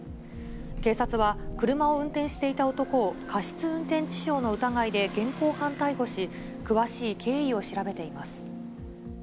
警察は、車を運転していた男を、過失運転致傷の疑いで現行犯逮捕し、詳しい経緯を調べています。